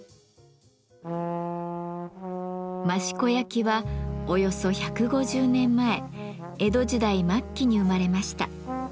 益子焼はおよそ１５０年前江戸時代末期に生まれました。